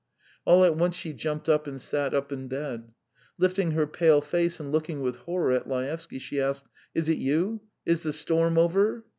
All at once she jumped up, and sat up in bed. Lifting her pale face and looking with horror at Laevsky, she asked: "Is it you? Is the storm over?"